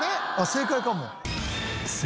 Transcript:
正解かも。